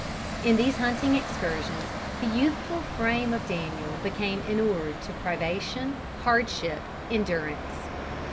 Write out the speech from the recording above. In these hunting excursions the youthful frame of Daniel became inured to privation, hardship, endurance.